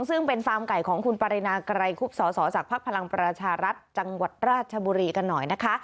ซึ่งเป็นฟาร์มไก่ของคุณปรินาไกรคุบสสจากภักดิ์พลังประชารัฐจังหวัดราชบุรีกันหน่อยนะคะ